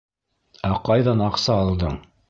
Ә ҡайҙан аҡса алдың?